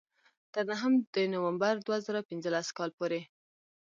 تر نهم د نومبر دوه زره پینځلس کال پورې.